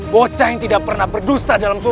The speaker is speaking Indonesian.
bocah yang tidak pernah berdusta dalam suatu hal